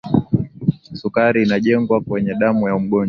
sukari inajengwa kwenye damu ya mgonjwa